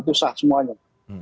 itu sah semuanya